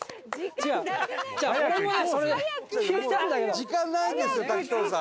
時間ないんですよ滝藤さん。